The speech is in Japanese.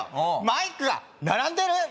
マイクが並んでる？